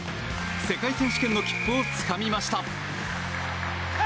世界選手権の切符をつかみました。